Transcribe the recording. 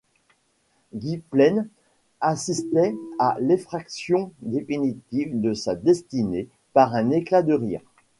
Gwynplaine assistait à l’effraction définitive de sa destinée par un éclat de rire.